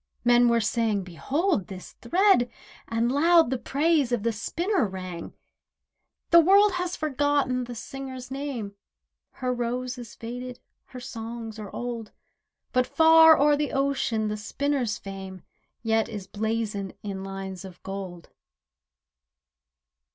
Men were saying: "Behold this thread," And loud the praise of the spinner rang. The world has forgotten the singer's name— Her rose is faded, her songs are old; But far o'er the ocean the spinner's fame Yet is blazoned in lines of gold.